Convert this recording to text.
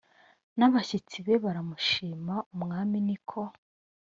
n abashyitsi be baramushima umwami ni ko